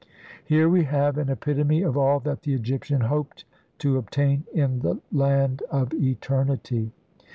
Here we have an epitome of all that the Egyptian hoped to obtain in the "land of eternity".